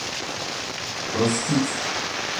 Простіть.